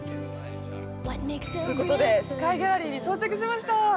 ◆ということで、スカイギャラリーに到着しました。